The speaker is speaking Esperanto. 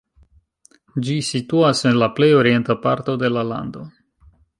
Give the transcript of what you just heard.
Ĝi situas en la plej orienta parto de la lando.